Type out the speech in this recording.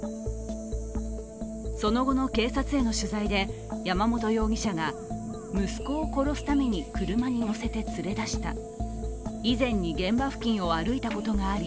その後の警察への取材で山本容疑者が息子を殺すために車に乗せて連れ出した、以前に現場付近を歩いたことがあり